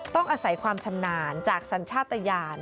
ต้องอาศัยความชำนาญจากสัญชาติยาน